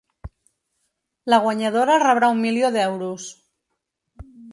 La guanyadora rebrà un milió d’euros.